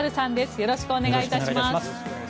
よろしくお願いします。